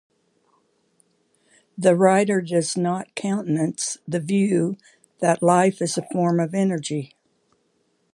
The writer does not countenance the view that life is a form of energy.